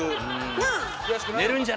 なあ？